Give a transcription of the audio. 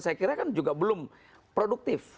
saya kira kan juga belum produktif